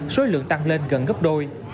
số lượng tăng lên gần gấp đôi